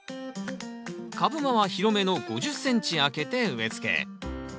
株間は広めの５０ｃｍ空けて植えつけ。